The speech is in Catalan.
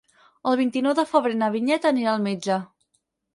El vint-i-nou de febrer na Vinyet anirà al metge.